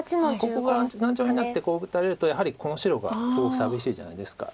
ここが頑丈になってこう打たれるとやはりこの白がすごく寂しいじゃないですか。